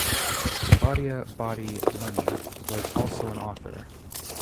Claudia Boddie Money was also an author.